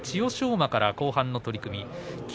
馬から後半の取組霧